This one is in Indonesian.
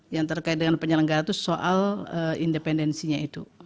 yang terkait dengan penyelenggara itu soal independensinya itu